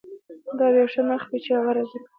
دا به یو ښه نرخ وي چې هغه راضي کړي